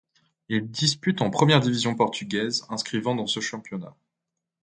Il dispute en première division portugaise, inscrivant dans ce championnat.